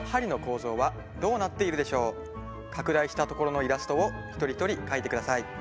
拡大したところのイラストを一人一人描いてください。